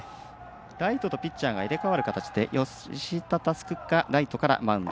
ライトとピッチャーが入れ代わる形で吉田佑久がライトからマウンド。